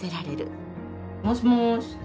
もしもし。